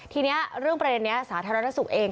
ทีนี้เรื่องประเด็นนี้สาธารณสุขเอง